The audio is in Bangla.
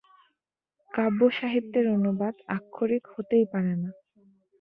কাব্য সাহিত্যের অনুবাদ আক্ষরিক হতেই পারে না।